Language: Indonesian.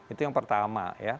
itu yang pertama